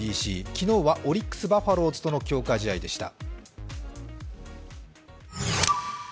昨日はオリックス・バファローズとの強化試合でした。